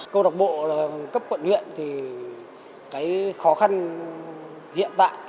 câu độc bộ là cấp quận huyện thì cái khó khăn hiện tại